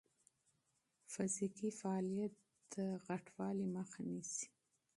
فزیکي فعالیت د چاغښت مخه نیسي.